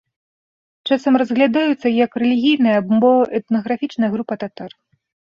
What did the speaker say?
Часам разглядаюцца як рэлігійная або этнаграфічная група татар.